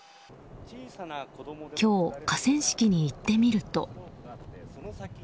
今日、河川敷に行ってみると。